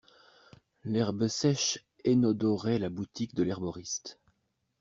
L'herbe sèche enodorait la boutique de l'herboriste.